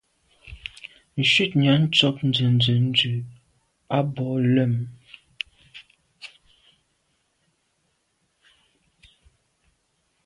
Shutnyàm tshob nzenze ndù à bwôg lem.